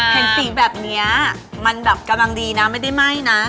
เห็นสีแบบนี้มันแบบกำลังดีนะไม่ได้ไหม้นะ